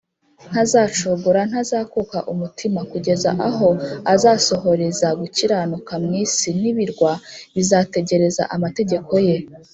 “Ntazacogora, ntazakuka umutima, kugeza aho azasohoreza gukiranuka mu isi, n’ibirwa bizategereza amategeko ye